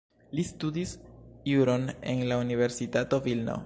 Li studis juron en la Universitato Vilno.